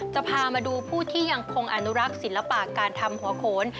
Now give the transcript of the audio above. จะพามาดูผู้ที่ยังคงอนุรักษ์ศิลปะการทำหัวโขน